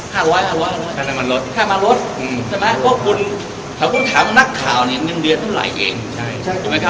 ข้าวมารถข้าวมารถอือใช่ไหมถ้าคุณถามนักข่าวนี่เงินเดือนมันไหลเองใช่